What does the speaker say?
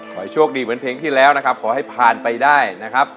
ขอให้โชคดีเหมือนเพลงที่แล้วนะครับขอให้ผ่านไปได้นะครับ